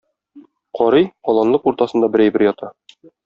Карый, аланлык уртасында бер әйбер ята.